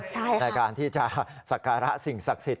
ในการที่จะสักการะสิ่งศักดิ์สิทธ